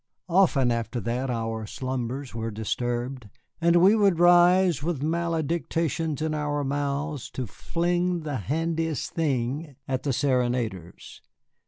Often after that our slumbers were disturbed, and we would rise with maledictions in our mouths to fling the handiest thing at the serenaders.